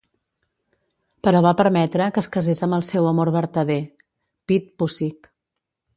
Però va permetre que es casés amb el seu amor vertader, Pete Pussick.